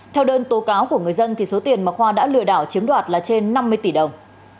theo đơn tố cáo của người dân số tiền mà khoa đã lừa đảo chiếm đoạt là trên năm mươi tỷ đồng